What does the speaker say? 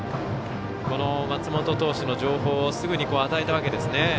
この松本投手の情報をすぐに与えたわけですね。